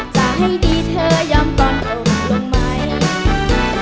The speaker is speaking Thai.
จะให้ดีเธอยอมก่อนอกลงไหม